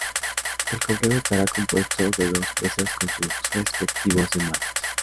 El complejo estará compuesto de dos presas con sus respectivos embalses.